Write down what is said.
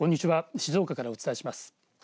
静岡からお伝えします。